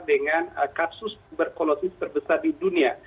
dengan kaksus berkolosis terbesar di dunia